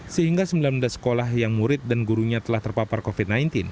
sehingga sembilan belas sekolah yang murid dan gurunya telah terpapar covid sembilan belas